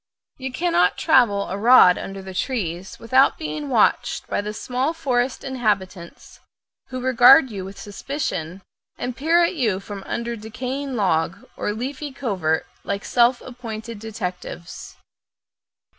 You cannot travel a rod under the trees without being watched by the small forest inhabitants, who regard you with suspicion, and peer at you from under decaying logs or leafy covert like self appointed detectives.